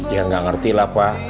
ya nggak ngerti lah pak